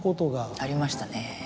ありましたね。